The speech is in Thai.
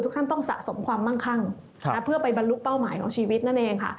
ท่านต้องสะสมความมั่งคั่งเพื่อไปบรรลุเป้าหมายของชีวิตนั่นเองค่ะ